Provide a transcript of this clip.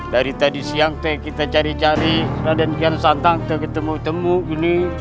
dari tadi siang teh kita cari cari raden kian santang kita ketemu temu ini